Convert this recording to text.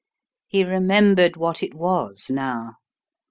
He remembered what it was now.